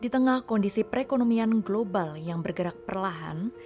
di tengah kondisi perekonomian global yang bergerak perlahan